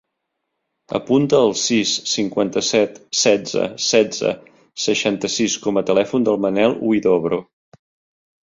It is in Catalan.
Apunta el sis, cinquanta-set, setze, setze, seixanta-sis com a telèfon del Manel Huidobro.